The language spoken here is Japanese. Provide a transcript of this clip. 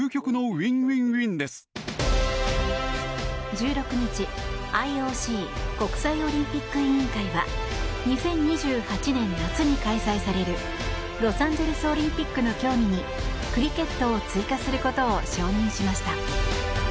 １６日、ＩＯＣ・国際オリンピック委員会は２０２８年夏に開催されるロサンゼルスオリンピックの競技にクリケットを追加することを承認しました。